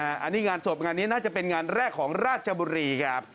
อันนี้งานศพงานนี้น่าจะเป็นงานแรกของราชบุรีครับ